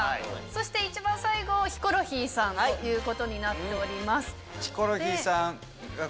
そして一番最後ヒコロヒーさんということになっております。